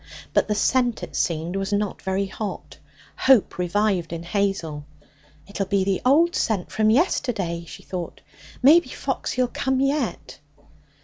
But the scent, it seemed, was not very hot. Hope revived in Hazel. 'It'll be the old scent from yesterday,' she thought. 'Maybe Foxy'll come yet!'